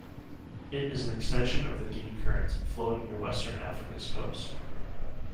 It is an extension of the Guinea Current, flowing near western Africa's coast.